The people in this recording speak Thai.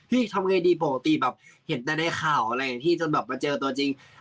ทำไงดีปกติแบบเห็นแต่ในข่าวอะไรอย่างที่จนแบบมาเจอตัวจริง